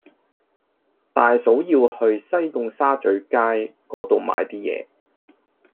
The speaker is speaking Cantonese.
大嫂要去西貢沙咀街嗰度買啲嘢